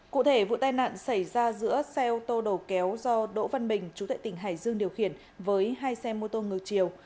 cụ thể vụ tai nạn xảy ra giữa xe ô tô đầu kéo do đỗ văn bình chú tệ tỉnh hải dương điều khiển với hai xe mô tô ngược chiều